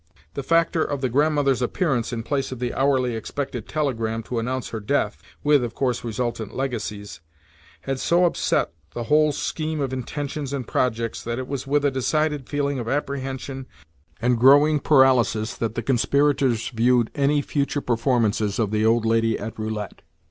The factor of the Grandmother's appearance in place of the hourly expected telegram to announce her death (with, of course, resultant legacies) had so upset the whole scheme of intentions and projects that it was with a decided feeling of apprehension and growing paralysis that the conspirators viewed any future performances of the old lady at roulette.